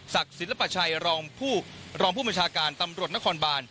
ศักดิ์ศิลปชัยรองผู้มอเชากาตำรวจนครบาล